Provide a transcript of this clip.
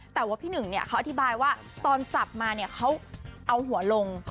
แต่ว่าพี่หนึ่งเขาอธิบายว่าตอนจับมาเนี่ยเขาเอาหัวลง